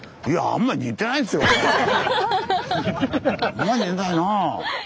あんまり似てないなあ？